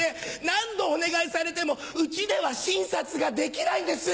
何度お願いされてもうちでは診察ができないんです。